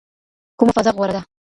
کومه فضا غوره ده؟